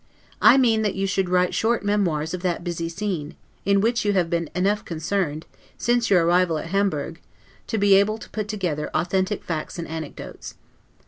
I mean, that you should write short memoirs of that busy scene, in which you have been enough concerned, since your arrival at Hamburg, to be able to put together authentic facts and anecdotes.